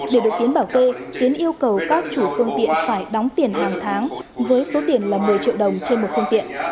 để được tiến bảo kê tiến yêu cầu các chủ phương tiện phải đóng tiền hàng tháng với số tiền là một mươi triệu đồng trên một phương tiện